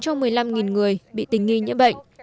cho một mươi năm người bị tình nghi nhiễm bệnh